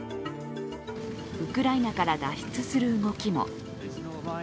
ウクライナから脱出する動きも。